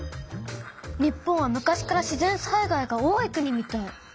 日本は昔から自然災害が多い国みたい。